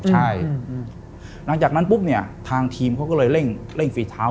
ใช่หลังจากนั้นปุ๊บเนี่ยทางทีมเขาก็เลยเร่งฝีเท้า